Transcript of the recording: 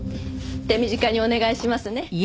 手短にお願いしますね。